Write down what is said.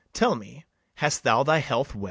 Tell me, hast thou thy health well?